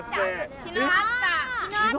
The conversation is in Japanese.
昨日あった？